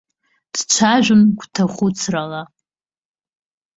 Дцәажәон гәҭахәыцрала.